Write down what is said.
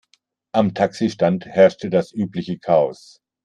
Am Taxistand herrschte das übliche Chaos.